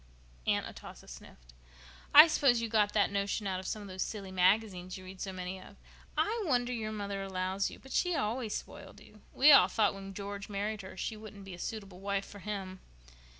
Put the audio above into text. Aunt Atossa sniffed. "I suppose you got that notion out of some of those silly magazines you read so many of. I wonder your mother allows you. But she always spoiled you. We all thought when George married her she wouldn't be a suitable wife for him."